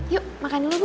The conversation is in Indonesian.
yuk makan dulu bu